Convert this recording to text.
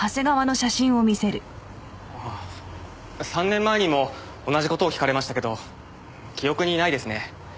３年前にも同じ事を聞かれましたけど記憶にないですね。